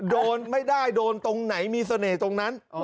โดนไม่ได้โดนตรงไหนมีเสน่ห์ตรงนั้น